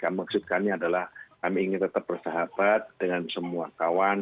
maksud kami adalah kami ingin tetap bersahabat dengan semua kawan